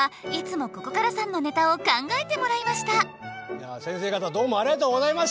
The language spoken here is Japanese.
いや先生方どうもありがとうございます。